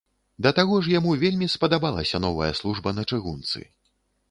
Да таго ж яму вельмі спадабалася новая служба на чыгунцы.